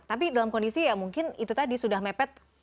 tapi dalam kondisi ya mungkin itu tadi sudah mepet